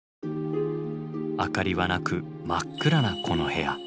明かりはなく真っ暗なこの部屋。